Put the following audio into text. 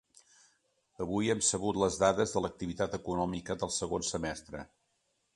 Avui hem sabut les dades de l’activitat econòmica del segon semestre.